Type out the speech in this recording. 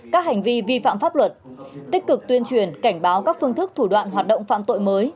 các hành vi vi phạm pháp luật tích cực tuyên truyền cảnh báo các phương thức thủ đoạn hoạt động phạm tội mới